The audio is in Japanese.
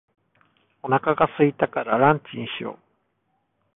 お腹が空いたからランチにしよう。